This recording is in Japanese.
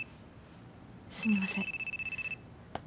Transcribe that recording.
すみません。